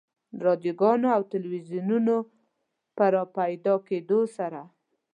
رادیوګانو او تلویزیونونو په راپیدا کېدو سره.